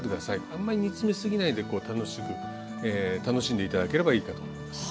あんまり煮詰め過ぎないで楽しんで頂ければいいかと思います。